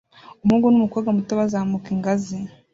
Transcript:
Umuhungu n'umukobwa muto bazamuka ingazi